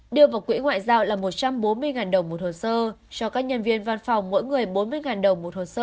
đưa vào quỹ ngoại giao là một trăm bốn mươi đồng một hồ sơ cho các nhân viên văn phòng mỗi người bốn mươi đồng một hồ sơ